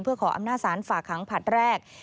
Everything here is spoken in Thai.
เพื่อขออำนาจศาลฝากหางผลัดแรก